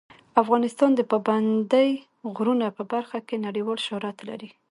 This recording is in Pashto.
افغانستان د پابندی غرونه په برخه کې نړیوال شهرت لري.